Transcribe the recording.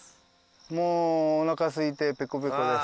もうおなかすいてぺこぺこです。